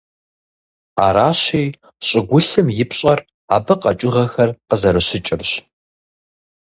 Аращи, щӀыгулъым и пщӀэр абы къэкӀыгъэхэр къызэрыщыкӀырщ.